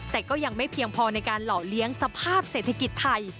แต่ก็ยังไม่เพียงพอในการหล่อเลี้ยงสภาพเศรษฐกิจไทย